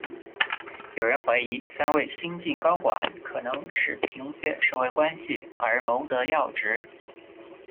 有人怀疑三位新晋高管可能是凭借社会关系而谋得要职。